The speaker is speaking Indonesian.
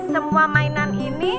semua mainan ini